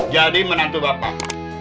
jadi menantu bapak